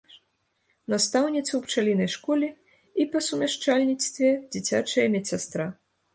Настаўніца ў пчалінай школе і па сумяшчальніцтве дзіцячая медсястра.